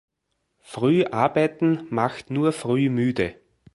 Früh arbeiten macht nur früh müde!